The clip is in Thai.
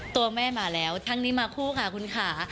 ตัวแม่มาแล้วทั้งนี้มาคู่ค่ะคุณค่ะ